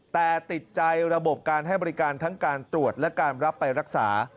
แต่ติดใจระบบการให้บริการทั้งการตรวจและการรับไปรักษา